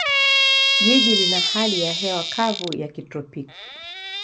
Jiji lina hali ya hewa kavu ya kitropiki.